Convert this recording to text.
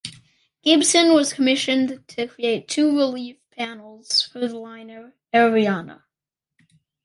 Gibson was commissioned to create two relief panels for the liner "Oriana".